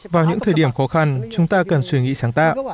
vào những thời điểm khó khăn chúng ta cần suy nghĩ sáng tạo